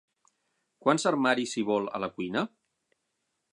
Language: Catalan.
Quants armaris hi vol, a la cuina?